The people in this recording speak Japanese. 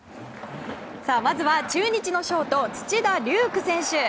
まずは、中日のショート土田龍空選手。